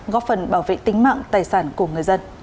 góp phần bảo vệ tính mạng tài sản của người dân